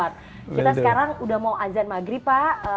kita sekarang udah mau azan maghrib pak